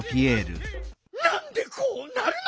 なんでこうなるの！